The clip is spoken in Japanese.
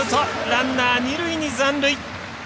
ランナー、二塁に残塁。